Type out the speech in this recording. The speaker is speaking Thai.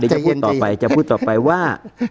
เดี๋ยวจะพูดต่อไปจะพูดต่อไปว่า